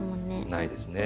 ないですね。